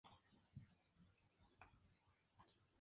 Negro Navarro en la lucha semifinal.